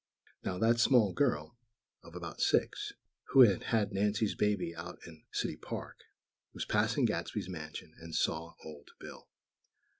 Now that small girl, "of about six," who had had Nancy's baby out in City Park, was passing Gadsby's mansion, and saw Old Bill.